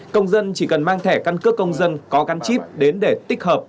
công dân chỉ cần mang thẻ căn cước công dân có gắn chip đến để tích hợp